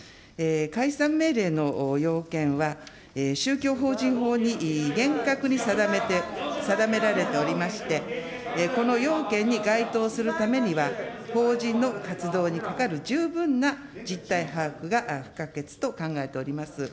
解散命令の要件は、宗教法人法に厳格に定められておりまして、この要件に該当するためには、法人の活動にかかる十分な実態把握が不可欠と考えております。